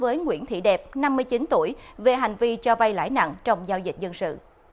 với nguyễn thị đẹp năm mươi chín tuổi về hành vi cho vay lãi nặng trong giao dịch dân sự